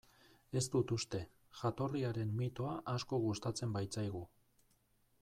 Ez dut uste, jatorriaren mitoa asko gustatzen baitzaigu.